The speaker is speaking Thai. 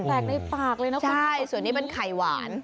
แตกในปากเลยนะคุณใช่ส่วนนี้เป็นไข่หวาน